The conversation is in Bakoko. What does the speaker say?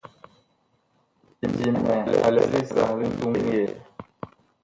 Dimɛ a lɛ li sah li tuun yɛɛ.